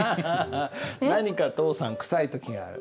「何か、とうさん、くさい時が、ある」。